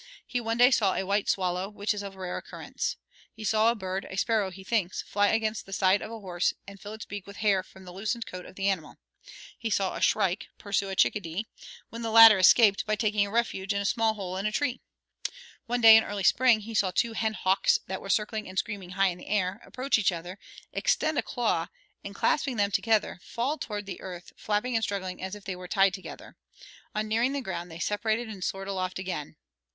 He one day saw a white swallow, which is of rare occurrence. He saw a bird, a sparrow he thinks, fly against the side of a horse and fill his beak with hair from the loosened coat of the animal. He saw a shrike pursue a chickadee, when the latter escaped by taking refuge in a small hole in a tree. One day in early spring he saw two hen hawks that were circling and screaming high in air, approach each other, extend a claw, and, clasping them together, fall toward the earth flapping and struggling as if they were tied together; on nearing the ground they separated and soared aloft again.